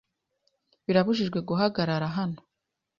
Birabujijwe guhagarara hano .